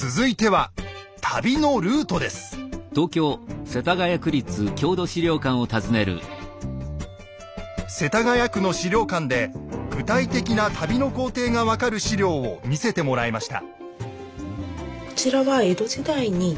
続いては世田谷区の資料館で具体的な旅の行程が分かる資料を見せてもらいました。